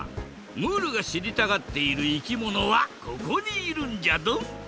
ムールがしりたがっているいきものはここにいるんじゃドン。